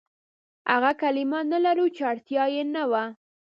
هغه کلمې نه لرو، چې اړتيا يې نه وه.